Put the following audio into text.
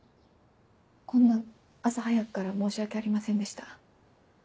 こんな朝早くから申し訳ありませんでした。